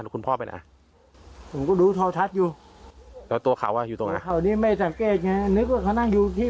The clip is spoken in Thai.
คุณพ่อเนี่ยคุณพ่อเนี่ย